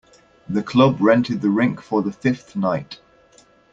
The club rented the rink for the fifth night.